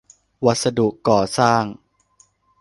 วัสดุก่อสร้าง